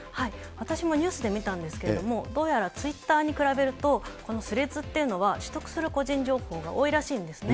私もニュースで見たんですけれども、どうやらツイッターに比べると、このスレッズというのは、取得する個人情報が多いらしいんですね。